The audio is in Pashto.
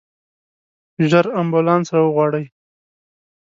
ژر امبولانس راوغواړئ.